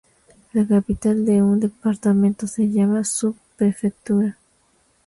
La capital de un departamento se llama subprefectura.